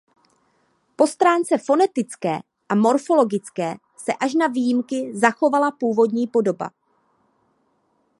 Po stránce fonetické a morfologické se až na výjimky zachovala původní podoba.